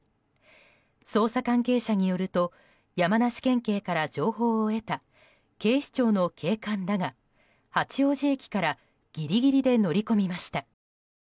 捜査関係者によると山梨県警から情報を得た警視庁の警官らが八王子駅からギリギリで乗り込みました。